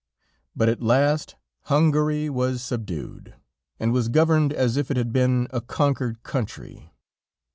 But at last Hungary was subdued, and was governed as if it had been a conquered country.